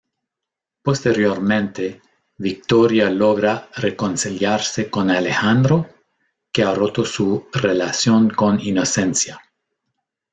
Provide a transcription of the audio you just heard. Posteriormente, Victoria logra reconciliarse con Alejandro, que ha roto su relación con Inocencia.